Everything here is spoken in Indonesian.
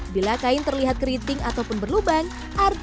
bila kain terlihat keriting ataupun berlubang artinya ada benang yang terjatuh